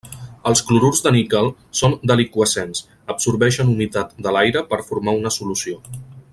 Els clorurs de níquel són deliqüescents, absorbeixen humitat de l'aire per formar una solució.